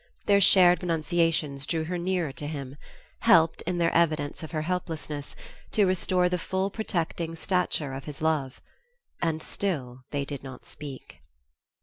Their shared renunciations drew her nearer to him, helped, in their evidence of her helplessness, to restore the full protecting stature of his love. And still they did not speak.